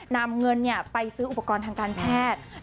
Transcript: นำเงินไปซื้ออุปกรณ์ทางการแพทย์